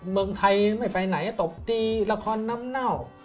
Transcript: เมืองไทยไม่ไปไหนตบตีละครน้ำเน่า